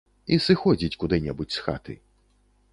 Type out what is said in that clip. І сыходзіць куды-небудзь з хаты.